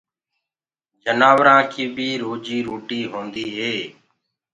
جآنورآنٚ ڪيٚ بيٚ روجيٚ روٽيٚ هونديٚ هي